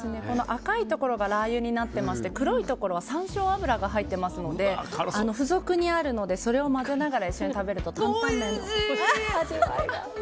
赤いところがラー油になってまして黒いところは山椒油が入ってますので付属にあるのでそれを混ぜながら一緒に食べるとおいしい！